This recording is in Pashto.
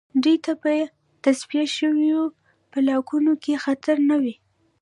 دوی ته به په تصفیه شویو بلاکونو کې خطر نه وي